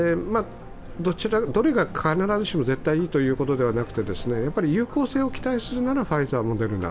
どれが必ずしも絶対いいということではなて、有効性を期待するならファイザー、モデルナ。